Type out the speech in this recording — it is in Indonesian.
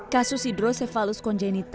kasus hidrosefalus kongenital yang dialami vivi